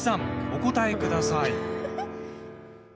お答えください。